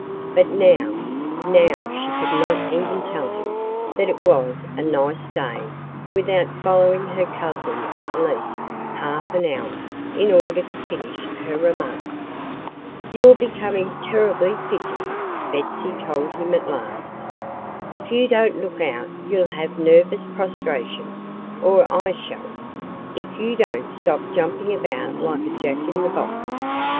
But now now she could not even tell him that it was a nice day without following her cousin at least half an hour in order to finish her remark. "You're becoming terribly fidgety," Betsy told him at last. "If you don't look out you'll have nervous prostration or I shall, if you don't stop jumping about like a jack in the box.